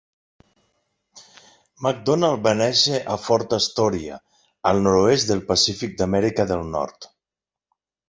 MacDonald va néixer a Fort Astoria, al nord-oest del Pacífic d'Amèrica de Nord.